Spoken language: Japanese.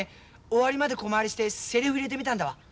終わりまでコマ割りしてセリフ入れてみたんだわ。